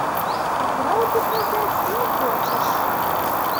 А праўды казаць не хочаш!